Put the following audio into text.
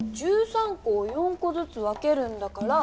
１３こを４こずつ分けるんだから。